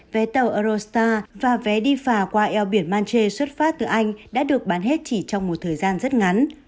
vé tàu eurosta và vé đi phà qua eo biển manche xuất phát từ anh đã được bán hết chỉ trong một thời gian rất ngắn